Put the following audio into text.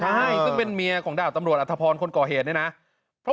ใช่ซึ่งเป็นเมียของดาบตำรวจอัธพรคนก่อเหตุเนี่ยนะ